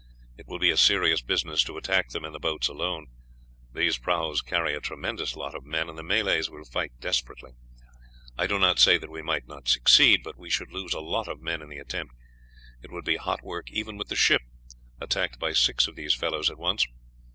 It will be a serious business to attack them in the boats alone; these prahus carry a tremendous lot of men, and the Malays will fight desperately. I do not say that we might not succeed, but we should lose a lot of men in the attempt; it would be hot work even with the ship, attacked by six of these fellows at once.